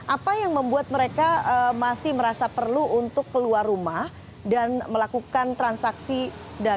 apa yang membuat mereka masih merasa perlu untuk keluar rumah dan melakukan transaksi jual beli di pasar